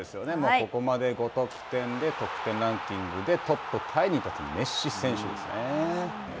ここまで５得点で得点ランキングでトップタイに立つメッシ選手ですね。